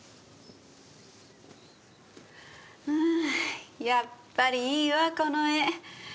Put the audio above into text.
うーんやっぱりいいわこの絵。